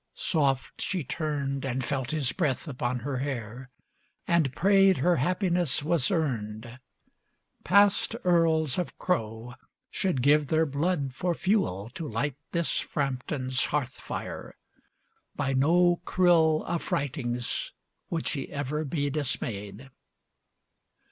Soft she turned And felt his breath upon her hair, and prayed Her happiness was earned. Past Earls of Crowe should give their blood for fuel To light this Frampton's hearth fire. By no cruel Affrightings would she ever be dismayed.